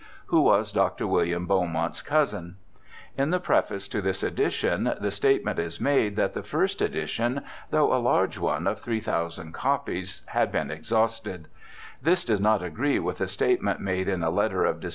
who was Dr. William Beaumont's cousin. In 172 BIOGRAPHICAL ESSAYS the preface to this edition the statement is made that the first edition, though a large one of 3,000 copies, had been exhausted. This does not agree with the state ment made in a letter of Dec.